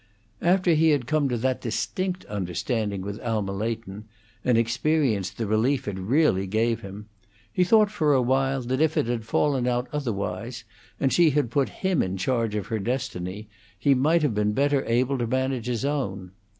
After he had come to that distinct understanding with Alma Leighton, and experienced the relief it really gave him, he thought for a while that if it had fallen out otherwise, and she had put him in charge of her destiny, he might have been better able to manage his own.